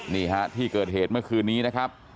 นี่ฮะที่เกิดเหตุเมื่อคืนนี้นะครับ